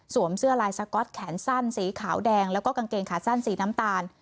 เสื้อลายสก๊อตแขนสั้นสีขาวแดงแล้วก็กางเกงขาสั้นสีน้ำตาล